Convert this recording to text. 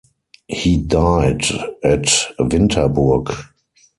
He died at Winterburg.